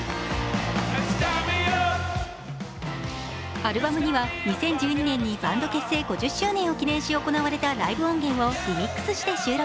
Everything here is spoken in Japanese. アルバムには２０１２年にバンド結成５０周年を記念し行われたライブ音源をリミックスして収録。